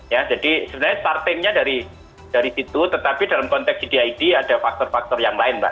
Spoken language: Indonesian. ya jadi sebenarnya startingnya dari situ tetapi dalam konteks cdid ada faktor faktor yang lain mbak